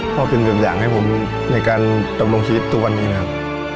ก็เป็นแบบอย่างให้ผมในการดำรงชีวิตทุกวันนี้นะครับ